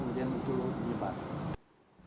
mungkin itu menyebabkan